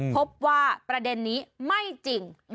พบว่าประเด็นนี้ไม่จริง